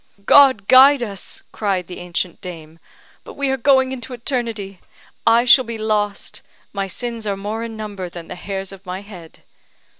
"God guide us," cried the ancient dame; "but we are going into eternity. I shall be lost; my sins are more in number than the hairs of my head."